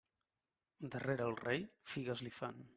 Darrere el rei, figues li fan.